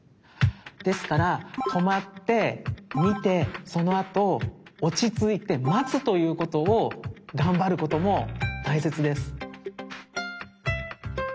ですからとまってみてそのあとおちついてまつということをがんばることもたいせつです。